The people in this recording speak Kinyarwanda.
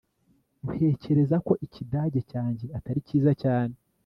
ntekereza ko ikidage cyanjye atari cyiza cyane